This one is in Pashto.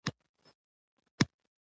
اداري نظام د خدمت لپاره رامنځته شوی.